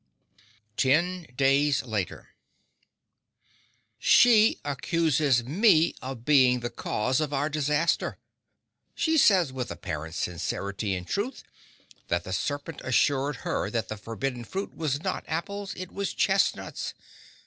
Ten Days Later She accuses me of being the cause of our disaster! She says, with apparent sincerity and truth, that the Serpent assured her that the forbidden fruit was not apples, it was chestnuts.